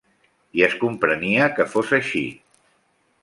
I es comprenia que fos així.